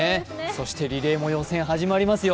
そしてリレーも予選始まりますよ。